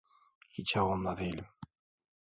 Hiç havamda değilim.